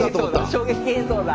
衝撃映像だ。